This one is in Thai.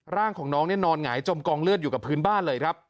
ร่างของน้องนี่นอนหงายจมกองเลือดอยู่กับพื้นบ้านเลยครับ